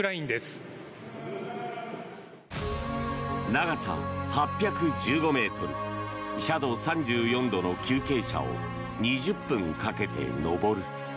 長さ８１５ｍ斜度３４度の急傾斜を２０分かけて上る。